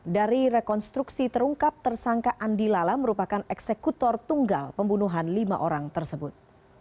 dari rekonstruksi terungkap tersangka andi lala merupakan eksekutor tunggal pembunuhan lima orang tersebut